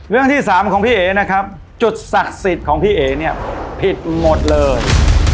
เรื่องที่สามของพี่เอ๋นะครับจุดศักดิ์สิทธิ์ของพี่เอ๋เนี่ยผิดหมดเลย